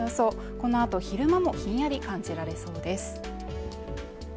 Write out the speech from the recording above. このあと昼間もひんやり感じられそうです。